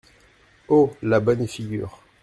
Oh ! la bonne figure !…